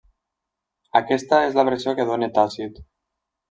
Aquesta és la versió que dóna Tàcit.